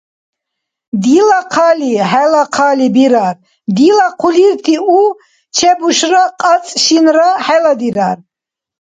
Дила хъали хӀела хъали бирар, дила хъулирти у-чебушра кьацӀ-шинра хӀела дирар…